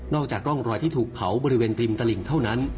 จากร่องรอยที่ถูกเผาบริเวณริมตลิ่งเท่านั้น